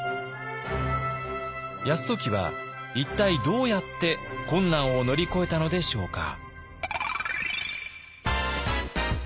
泰時は一体どうやって困難を乗り越えたのでしょうか。